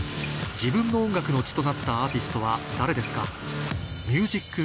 自分の音楽の血となったアーティストは誰ですか？